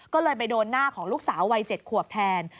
ก็เลยไปโดนหน้าของลูกสาววัย๗ขวบแทน